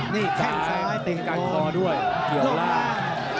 มีการคอด้วยเกี่ยวล่าง